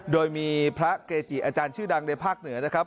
โดยมีพระเกจิอาจารย์ชื่อดังในภาคเหนือนะครับ